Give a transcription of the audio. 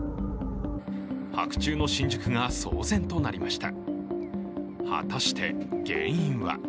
白昼の新宿が騒然となりました。